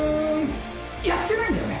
やってないんだよね？